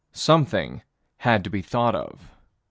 Something had to be thought of.